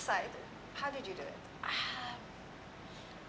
bagaimana kamu melakukannya